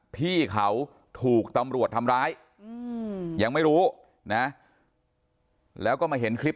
พี่เขาถูกตำรวจทำร้ายยังไม่รู้นะแล้วก็มาเห็นคลิป